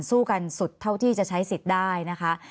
สู้กันสุดเท่าที่จะใช้สิทธิ์ได้นะคะ